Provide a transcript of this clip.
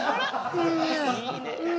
いいね。